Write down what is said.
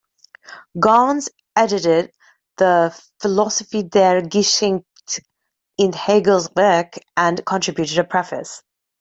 Gans edited the "Philosophie der Geschichte in Hegel's Werke", and contributed a preface.